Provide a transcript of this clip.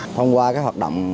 thông qua các hoạt động